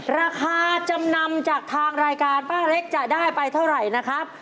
ราคาจำนำจากทางรายการป้าเล็กจะได้ไปเท่าไหร่นะครับ